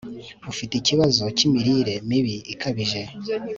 ufite ikibazo cy'imirire mibi ikabije